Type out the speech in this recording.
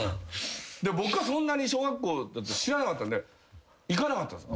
で僕はそんなに小学校知らなかったんで行かなかったんです。